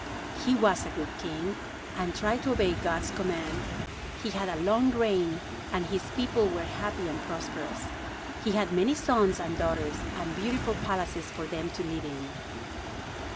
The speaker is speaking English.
He was a good king and tried to obey God's command. He had a long reign and his people were happy and prosperous. He had many sons and daughters and beautiful palaces for them to live in.